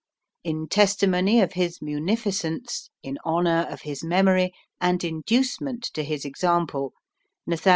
In testimony of his Munificence, in honour of his Memory, and inducement to his Example, Nathl.